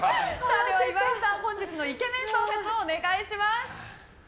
では岩井さん、本日のイケメン総括をお願いします。